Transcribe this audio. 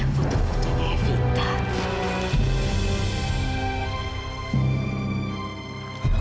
aku pasti akan menemukan kamu anissa